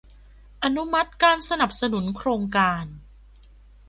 อนุมัติการสนับสนุนโครงการ